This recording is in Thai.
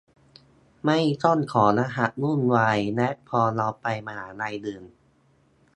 ไม่ต้องขอรหัสวุ่นวาย และพอเราไปมหาลัยอื่น